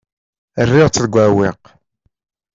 Rriɣ-tt deg uɛewwiq.